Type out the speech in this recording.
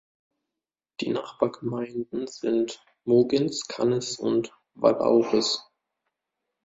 Die Nachbargemeinden sind Mougins, Cannes und Vallauris.